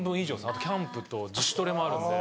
あとキャンプと自主トレもあるんで。